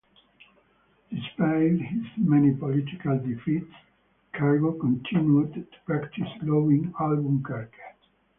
Despite his many political defeats, Cargo continued to practice law in Albuquerque.